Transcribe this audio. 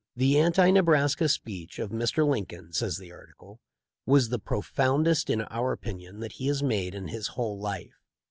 "The anti Nebraska speech of Mr. Lincoln," says the article, "was the profoundest in our opinion that he has made in his whole life.